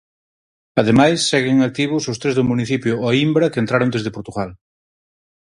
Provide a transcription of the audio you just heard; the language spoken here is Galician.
Ademais, seguen activos os tres do municipio Oímbra que entraron desde Portugal.